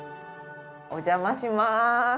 お邪魔します。